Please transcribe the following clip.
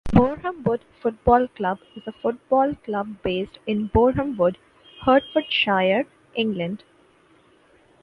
Boreham Wood Football Club is a football club based in Borehamwood, Hertfordshire, England.